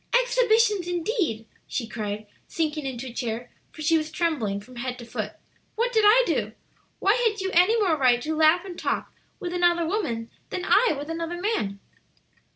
"Exhibitions indeed!" she cried, sinking into a chair, for she was trembling from head to foot. "What did I do? Why had you any more right to laugh and talk with another woman than I with another man?"